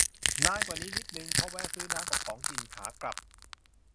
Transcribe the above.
นานกว่านี้นิดนึง เพราะแวะซื้อน้ำกับของกินขากลับ